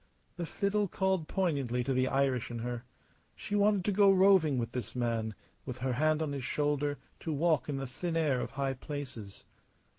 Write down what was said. The fiddle called poignantly to the Irish in her. She wanted to go roving with this man; with her hand on his shoulder to walk in the thin air of high places.